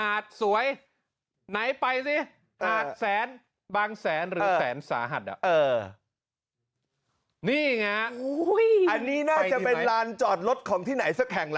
นี่ไงอันนี้น่าจะเป็นลานจอดรถของที่ไหนสักแห่งละ